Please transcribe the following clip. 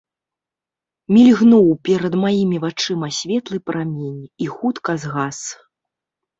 Мільгнуў перад маімі вачыма светлы прамень і хутка згас.